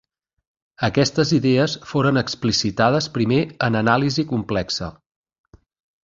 Aquestes idees foren explicitades primer en anàlisi complexa.